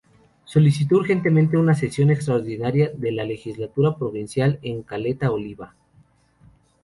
Solicitó urgentemente una sesión extraordinaria de la Legislatura Provincial en Caleta Olivia.